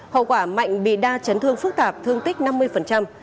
hậu quả mạnh bị đa chấn thương phức tạp thương tích năm mươi